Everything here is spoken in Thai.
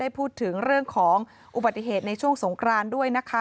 พูดถึงเรื่องของอุบัติเหตุในช่วงสงครานด้วยนะคะ